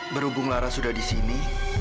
berhubung lara sudah di sini